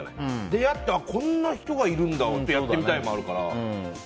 出会って、ああこんな人がいるんだっていうのでやってみたいもあるから。